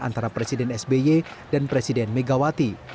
antara presiden sby dan presiden megawati